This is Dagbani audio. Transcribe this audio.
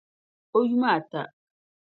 O yuma ata.